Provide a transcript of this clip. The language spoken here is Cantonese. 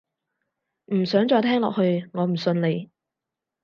唔想再聽落去，我唔信你